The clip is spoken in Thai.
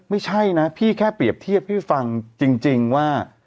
ไม่ใช่นะพี่แค่เปรียบเทียบพี่ฟังจริงว่า